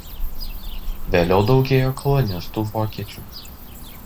Vėliau daugėjo kolonistų vokiečių.